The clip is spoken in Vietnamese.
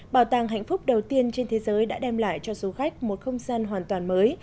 bảo tàng hạnh phúc đầu tiên trên thế giới đã đem lại cho du khách một không gian hoàn toàn mới